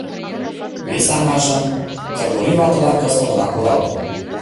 — Вес аҥажым Кргори ватылан кызыт огына курал.